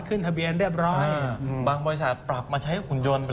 ขึ้นทะเบียนเรียบร้อยบางบริษัทปรับมาใช้หุ่นยนต์